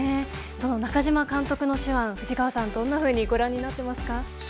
その中嶋監督の手腕、藤川さん、どんなふうにご覧になっていますか。